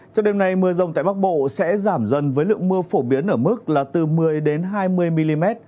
trong đêm nay mưa rông tại bắc bộ sẽ giảm dần với lượng mưa phổ biến ở mức là từ một mươi hai mươi mm